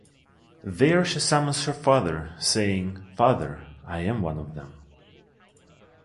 There, she summons her father, saying, Father, I am one of them.